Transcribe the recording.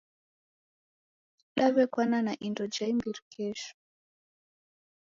Daw'ekwana kwa indo ja imbiri kesho.